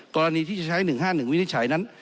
กรณีที่จะใช้๑๕๑วินิจฉัยนั้น